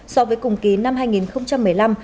so với cùng kỳ năm hai nghìn một mươi năm